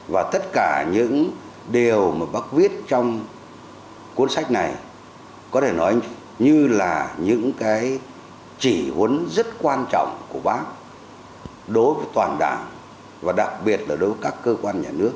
và tất cả những điều mà bác viết trong cuốn sách này có thể nói như là những cái chỉ huấn rất quan trọng của bác đối với toàn đảng và đặc biệt là đối với các cơ quan nhà nước